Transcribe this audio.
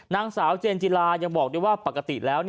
นางสาวเจนจิลายังบอกด้วยว่าปกติแล้ว